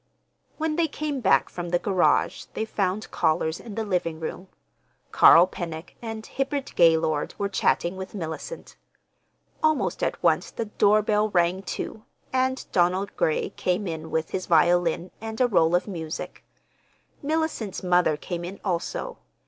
When they came back from the garage they found callers in the living room. Carl Pennock and Hibbard Gaylord were chatting with Mellicent. Almost at once the doorbell rang, too, and Donald Gray came in with his violin and a roll of music. Mellicent's mother came in also.